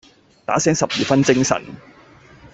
打醒十二分精神